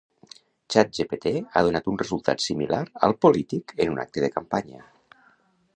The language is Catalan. Chat gpt ha donat un resultat similar al polític en un acte de campanya